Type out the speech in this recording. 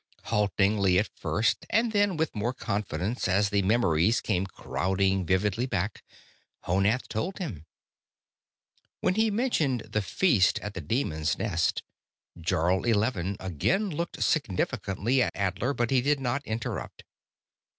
Haltingly at first, and then with more confidence as the memories came crowding vividly back, Honath told him. When he mentioned the feast at the demon's nest, Jarl Eleven again looked significantly at Adler, but he did not interrupt.